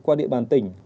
qua địa bàn tỉnh